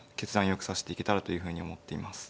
よく指していけたらというふうに思っています。